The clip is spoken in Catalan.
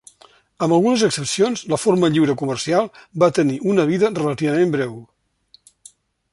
Amb algunes excepcions, la forma lliure comercial va tenir una vida relativament breu.